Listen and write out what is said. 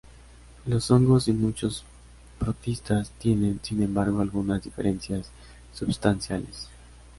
Los hongos y muchos protistas tienen, sin embargo, algunas diferencias substanciales.